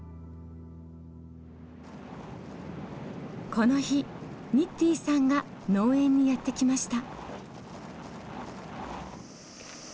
この日ニッティンさんが農園にやって来ました。